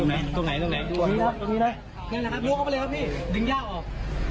มีนะมีนะนั่นละล้วนออกไปแล้วครับพี่ดึงยาออก